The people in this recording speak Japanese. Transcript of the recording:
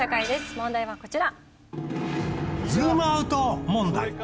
問題はこちら。